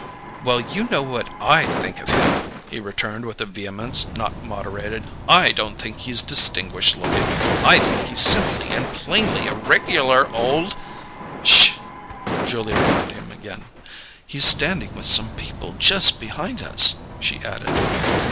"Well, you know what I think of him!" he returned with a vehemence not moderated. "I don't think he's distinguished looking; I think he's simply and plainly a regular old " "Sh!" Julia warned him again. "He's standing with some people just behind us," she added.